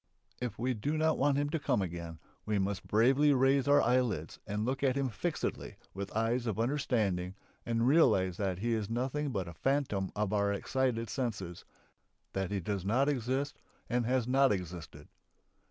If we do not want him to come again we must bravely raise our eyelids and look at him fixedly with eyes of understanding and realise that he is nothing but a phantom of our excited senses, that he does not exist and has not existed.